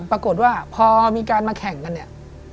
ปรากฏว่าพอมีการมาแข่งกันเนี่ย